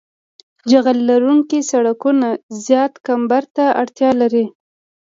جغل لرونکي سرکونه زیات کمبر ته اړتیا لري